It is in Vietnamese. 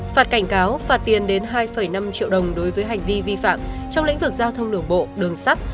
phạt cảnh cáo phạt tiền đến hai năm triệu đồng đối với hành vi vi phạm trong lĩnh vực giao thông đường bộ đường sắt